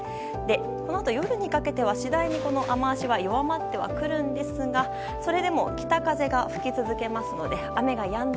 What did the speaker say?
このあと夜にかけては次第に、この雨脚が弱まってはくるんですがそれでも北風が吹き続けますので雨がやんだ